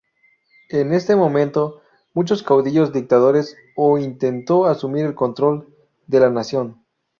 En este momento, muchos caudillos, dictadores o, intentó asumir el control de la nación.